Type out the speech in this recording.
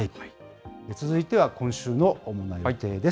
続いては今週の主な予定です。